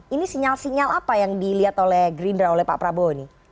ini sinyal sinyal apa yang dilihat oleh gerindra oleh pak prabowo ini